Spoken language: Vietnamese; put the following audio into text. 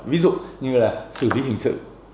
ví dụ như là xử lý hình sự